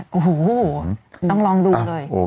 โอ้โหต้องลองดูเลย